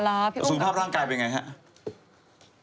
ยาสูงภาพร่างกายเป็นยังไงครับ